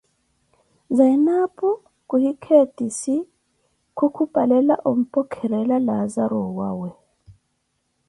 Zanapo khuhinkheetisi, khu kupali ompwekerela Laazaru owaawe.